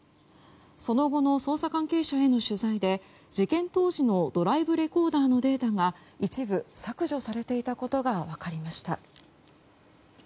その後の捜査関係者への取材で事件当時のドライブレコーダーのデータが一部、削除されていたことが分かりました。